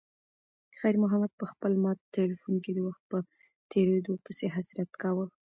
خیر محمد په خپل مات تلیفون کې د وخت په تېریدو پسې حسرت کاوه.